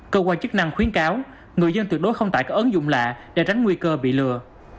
cơ quan chức năng khuyến cáo người dân tuyệt đối không tải có ứng dụng lạ để tránh nguy cơ bị lừa